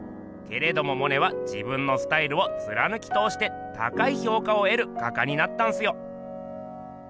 けれどもモネは自分のスタイルをつらぬきとおして高い評価をえる画家になったんすよ。